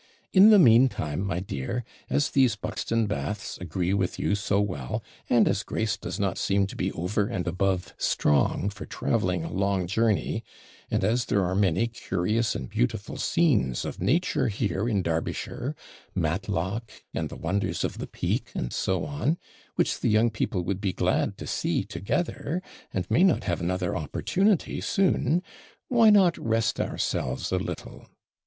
In the meantime, my dear, as these Buxton baths agree with you so well, and as Grace does not seem to be over and above strong for travelling a long journey, and as there are many curious and beautiful scenes of nature here in Derbyshire Matlock, and the wonders of the Peak, and so on which the young people would be glad to see together, and may not have another opportunity soon why not rest ourselves a little?